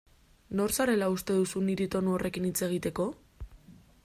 Nor zarela uste duzu niri tonu horrekin hitz egiteko?